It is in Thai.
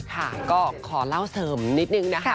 ค่ะก็ขอเล่าเสริมนิดนึงนะคะ